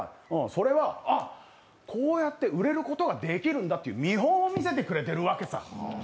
それは、あっ、こうやって売れることができるんだっていう見本を見せてくれてるわけさ。